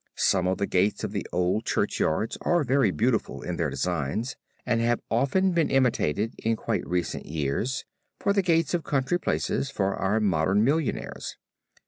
Some of the gates of the old churchyards are very beautiful in their designs and have often been imitated in quite recent years, for the gates of country places, for our modern millionaires.